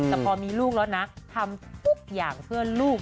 แต่พอมีลูกแล้วนะทำทุกอย่างเพื่อลูก